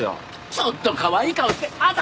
ちょっとかわいい顔してあんた